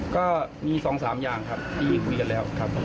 ก็มีสองสามอย่างครับที่คุยกันแล้วครับ